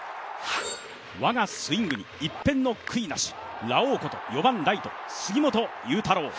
我がスイングに一片の悔いなし、ラオウこと４番ライト・杉本裕太郎。